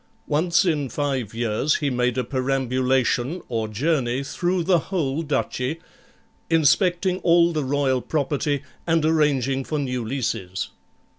Once in five years he made a perambulation, or journey, through the whole duchy, inspecting all the Royal property, and arranging for new leases.